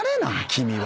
君は。